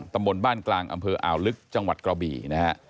ตำบลบ้านกลางอำเภออ่าวลึกจังหวัดกระบี่นะฮะ